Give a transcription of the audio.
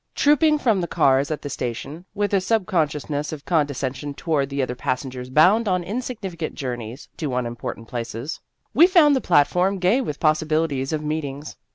Trooping from the cars at the station, with a sub consciousness of condescension toward the other passengers bound on insignificant journeys to unimportant places, we found the platform gay with possibilities of meet ings.